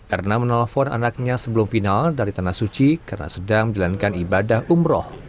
erna menelpon anaknya sebelum final dari tanah suci karena sedang menjalankan ibadah umroh